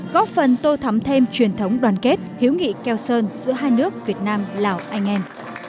góp phần tô thắm thêm truyền thống đoàn kết hiếu nghị keo sơn giữa hai nước việt nam lào anh em